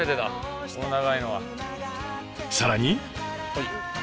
更に。